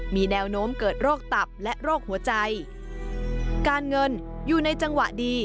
มีแนวโน้มเกิดโรคตับและโรคหัวใจการเงินอยู่ในจังหวะดี